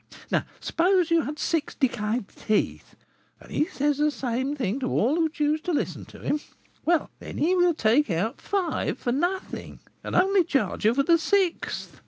Now, suppose you had six decayed teeth, and he says the same thing to all who choose to listen to him, well, then he will take out five for nothing, and only charge you for the sixth.